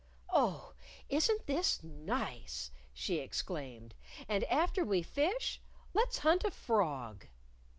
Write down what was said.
"Oh, isn't this nice!" she exclaimed. "And after we fish let's hunt a frog!"